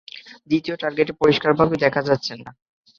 দ্বিতীয় টার্গেটকে পরিষ্কারভাবে দেখা যাচ্ছে না।